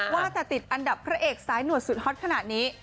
ว่าแต่ติดอันดับพระเอกสายหนวดสุดฮอตขนาดนี้